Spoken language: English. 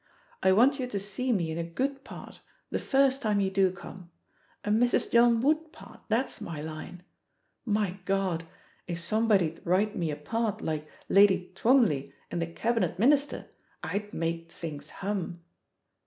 I want you to see me in a good part, the first time you do come — a Mrs. John Wood part, that's my line. My God! if somebody'd write me a part like Lady Twombley in The Cabinet Minister I'd make things hum